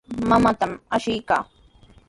Mamaatami ashiykaa.